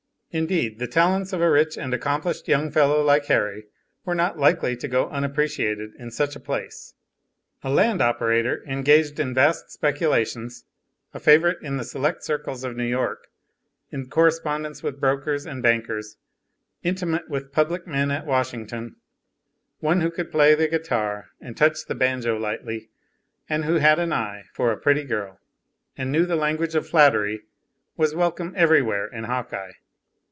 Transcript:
Indeed the talents of a rich and accomplished young fellow like Harry were not likely to go unappreciated in such a place. A land operator, engaged in vast speculations, a favorite in the select circles of New York, in correspondence with brokers and bankers, intimate with public men at Washington, one who could play the guitar and touch the banjo lightly, and who had an eye for a pretty girl, and knew the language of flattery, was welcome everywhere in Hawkeye.